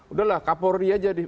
udah lah kapolri aja di